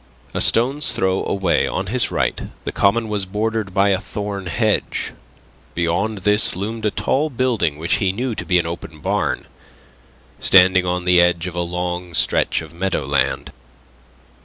A stone's throw away on his right the common was bordered by a thorn hedge. Beyond this loomed a tall building which he knew to be an open barn, standing on the edge of a long stretch of meadowland.